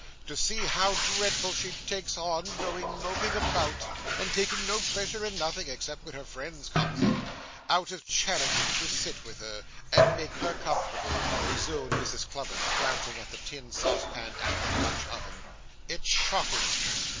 'To see how dreadful she takes on, going moping about, and taking no pleasure in nothing, except when her friends comes in, out of charity, to sit with her, and make her comfortable,' resumed Mrs. Cluppins, glancing at the tin saucepan and the Dutch oven, 'it's shocking!